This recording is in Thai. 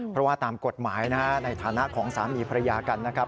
เพราะว่าตามกฎหมายในฐานะของสามีภรรยากันนะครับ